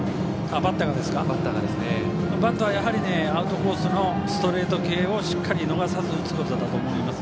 バッターはやはりアウトコースのストレート系をしっかり逃さず打つことだと思います。